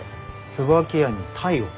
椿屋に鯛を？